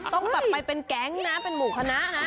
ต้นก็ผ่ายเป็นแก๊งนะเป็นหมู่คณะนะ